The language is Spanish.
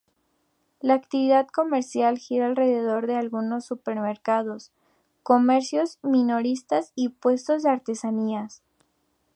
La actividad comercial, gira alrededor de algunos supermercados, comercios minoristas y puestos de artesanías.